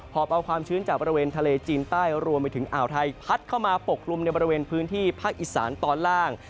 อบเอาความชื้นจากบริเวณทะเลจีนใต้รวมไปถึงอ่าวไทยพัดเข้ามาปกกลุ่มในบริเวณพื้นที่ภาคอีสานตอนล่าง